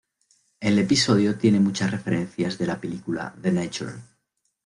El episodio tiene muchas referencias de la película "The Natural".